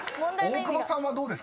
［大久保さんはどうですか？］